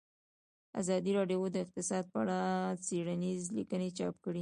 ازادي راډیو د اقتصاد په اړه څېړنیزې لیکنې چاپ کړي.